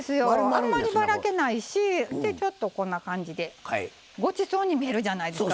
あんまりばらけないしでちょっとこんな感じでごちそうに見えるじゃないですか。